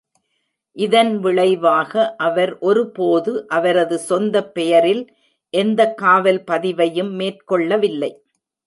இதன் விளைவாக, அவர் ஒருபோது அவரது சொந்த பெயரில் எந்த காவல் பதிவையும் மேற்கொள்ளவில்லை.